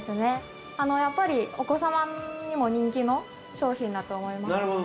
やっぱりお子様にも人気の商品だと思いますので。